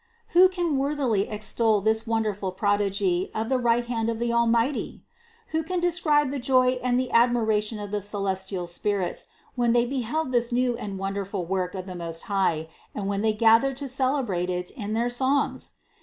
332. Who can worthily extol this wonderful prodigy of the right hand of the Almighty ? Who can describe the joy and the admiration of the celestial spirits, when they beheld this new and wonderful work of the Most High, and when they gathered to celebrate it in their songs?